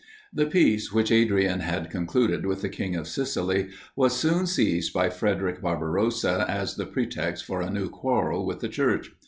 The peace, which Adrian had concluded with the king of Sicily, was soon seized by Frederic Barbarossa as the pretext for a new quarrel with the Church.